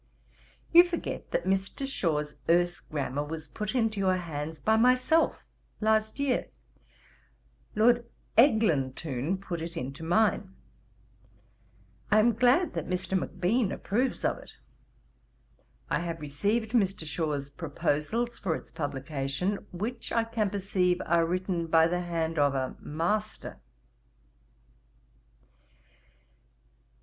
'You forget that Mr. Shaw's Erse Grammar was put into your hands by myself last year. Lord Eglintoune put it into mine. I am glad that Mr. Macbean approves of it. I have received Mr. Shaw's Proposals for its publication, which I can perceive are written by the hand of a MASTER.